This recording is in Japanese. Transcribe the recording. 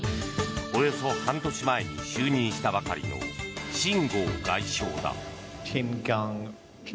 およそ半年前に就任したばかりのシン・ゴウ外相だ。